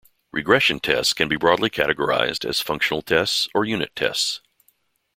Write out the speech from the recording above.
Regression tests can be broadly categorized as functional tests or unit tests.